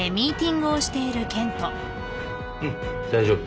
うん大丈夫。